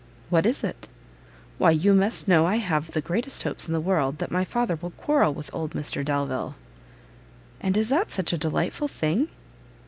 "What is it?" "Why you must know I have the greatest hopes in the world that my father will quarrel with old Mr Delvile!" "And is that such a delightful thing!"